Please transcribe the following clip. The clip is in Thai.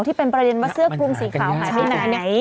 ที่เป็นประเด็นว่าเสื้อคลุมสีขาวขายไหน